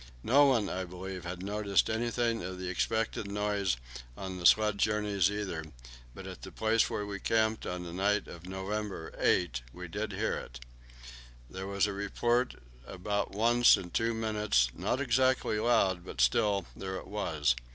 No one, I believe, had noticed anything of the expected noise on the sledge journeys either, but at the place where we camped on the night of November 8 we did hear it. There was a report about once in two minutes, not exactly loud, but still, there it was.